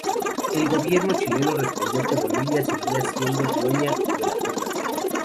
El gobierno chileno respondió que Bolivia seguía siendo dueña de la Puna.